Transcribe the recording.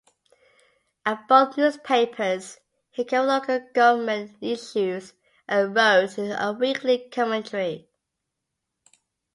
At both newspapers, he covered local government issues and wrote a weekly commentary.